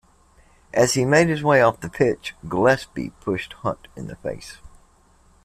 As he made his way off the pitch, Gillespie pushed Hunt in the face.